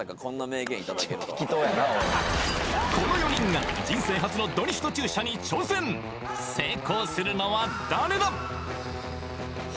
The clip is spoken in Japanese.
この４人が人生初のドリフト駐車に挑戦成功するのは誰だ？